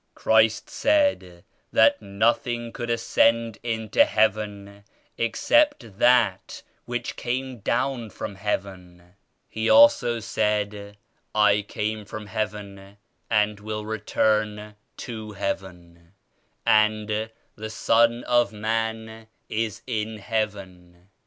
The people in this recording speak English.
"Christ said that nothing could ascend into Heaven except that which came down from Heaven. He also said *I came from Heaven and will return to Heaven,' and The Son of Man is in Heaven.'